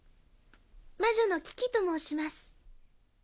魔女のキキと申します。